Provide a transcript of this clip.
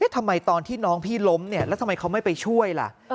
ทำไมตอนที่น้องพี่ล้มเนี่ยแล้วทำไมเขาไม่ไปช่วยล่ะ